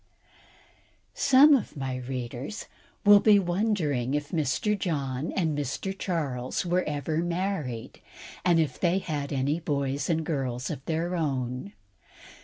Some of my readers will be wondering if Mr. John or Mr. Charles Wesley were ever married, and if they had any boys and girls of their own.